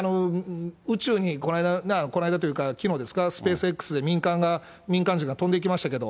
宇宙にこの間、この間というか、きのうですか、スペースＸで民間人が飛んでいきましたけど。